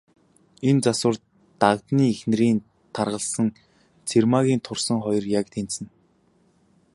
Энэ завсар, Дагданы эхнэрийн таргалсан, Цэрмаагийн турсан хоёр яг тэнцэнэ.